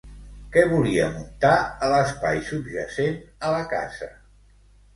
Què volia muntar a l'espai subjacent a la casa?